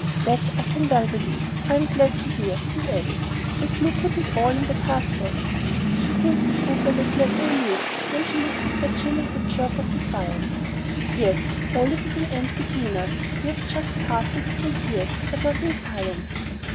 "That I can well believe. I'm glad to hear," he added, "that you put it all in the past tense." She seemed to droop a little at the allusion; then she lifted her chin with a jerk of defiance. "Yes. All is at an end between us. We've just parted in tears but not in silence!"